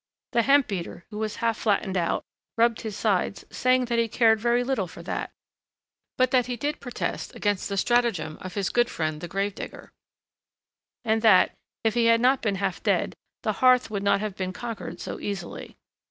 The hemp beater, who was half flattened out, rubbed his sides, saying that he cared very little for that, but that he did protest against the stratagem of his good friend the grave digger, and that, if he had not been half dead, the hearth would not have been conquered so easily.